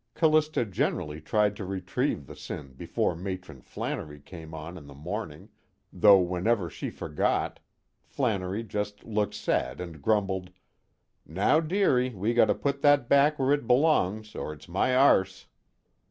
Callista generally tried to retrieve the sin before Matron Flannery came on in the morning, though whenever she forgot, Flannery just looked sad and grumbled: "Now dearie, we gotta put that back where it belongs or it's my arse."